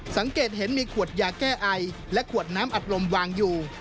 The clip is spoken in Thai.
สังเกตเห็นมีขวดยาแก้ไอและขวดน้ำอัดลมวางอยู่